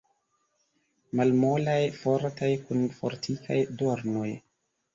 Malmolaj, fortaj, kun fortikaj dornoj.